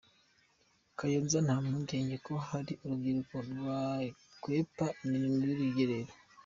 Kayonza Nta mpungenge ko hari urubyiruko rwakwepa imirimo y’urugerero